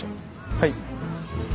はい。